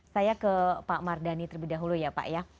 saya ke pak mardhani terlebih dahulu ya pak ya